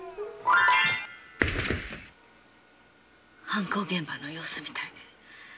犯行現場の様子みたいね。